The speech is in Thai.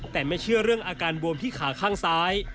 แต่ไม่เชื่อเรื่องอาการบวมที่ขาข้างซ้าย